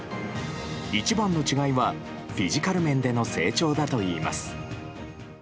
一番の違いは、フィジカル面での成長だといいます。